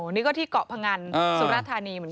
นี่ก็ที่เกาะพงันสุราธานีเหมือนกัน